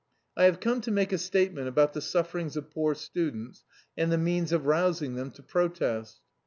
"I have come to make a statement about the sufferings of poor students and the means of rousing them to protest."